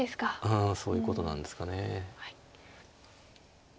うんそういうことなんですかね。